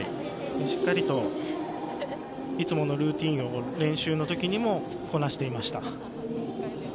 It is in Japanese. しっかりといつものルーティンを練習の時にもこなしていました。